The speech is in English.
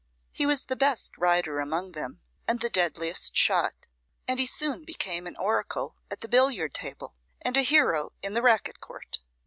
He was the best rider among them, and the deadliest shot; and he soon became an oracle at the billiard table, and a hero in the racquet court.